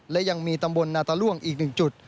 และยังมีตำบลนาตาล่วงอีก๑จุด